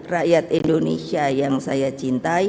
rakyat indonesia yang saya cintai